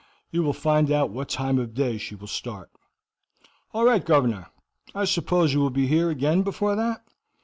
You will find out what time of day she will start." "All right, governor. I suppose you will be here again before that?"